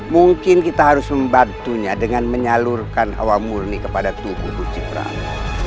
mungkin kita harus membantunya dengan menyalurkan awamurni kepada tubuh pusti pramu